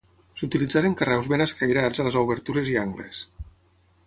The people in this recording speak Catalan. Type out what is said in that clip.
S'utilitzaren carreus ben escairats a les obertures i angles.